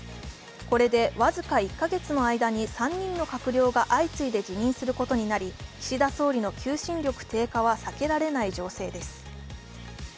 これで僅か１か月の間に３人の閣僚が相次いで辞任することになり岸田総理の求心力低下は避けられない情勢です。